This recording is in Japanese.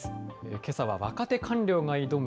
けさは若手官僚が挑む！